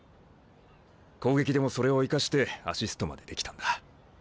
攻撃でもそれを生かしてアシストまでできたんだ。